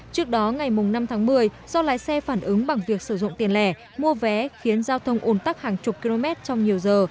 trước đó ngày năm tháng một mươi do lái xe phản ứng bằng việc sử dụng tiền lẻ mua vé khiến giao thông ồn tắc hàng chục km trong nhiều giờ